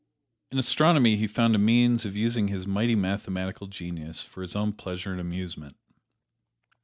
In astronomy he found a means of using his mighty mathematical genius for his own pleasure and amusement.